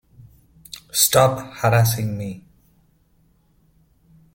Stop harassing me!